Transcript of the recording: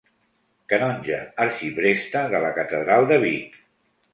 Canonge arxipreste de la catedral de Vic.